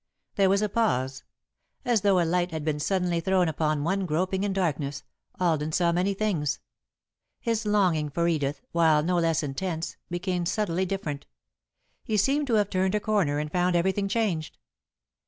There was a pause. As though a light had been suddenly thrown upon one groping in darkness, Alden saw many things. His longing for Edith, while no less intense, became subtly different. He seemed to have turned a corner and found everything changed.